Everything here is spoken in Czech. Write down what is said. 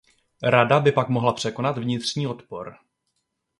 Rada by pak mohla překonat vnitřní odpor.